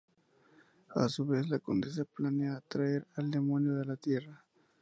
A su vez la condesa planea traer al demonio a la Tierra.